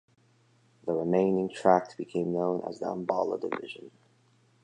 The remaining tract became known as the Ambala Division.